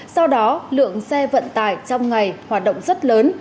sau đó lượng xe vận tải trong ngày hoạt động rất lớn